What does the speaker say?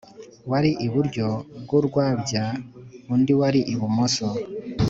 Wari iburyo bw urwabya undi wari ibumoso